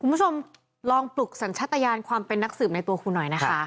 คุณผู้ชมลองปลุกสัญชาติยานความเป็นนักสืบในตัวคุณหน่อยนะคะ